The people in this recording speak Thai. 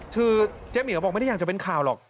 คือเจ๊เหมียวบอกไม่ได้อยากจะเป็นข่าวหรอก